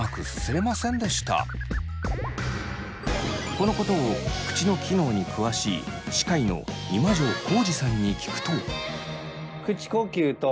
このことを口の機能に詳しい歯科医の今城広治さんに聞くと。